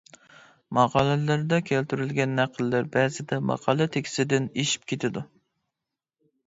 ماقالىلىرىدە كەلتۈرۈلگەن نەقىللەر بەزىدە ماقالە تېكىستىدىن ئېشىپ كېتىدۇ.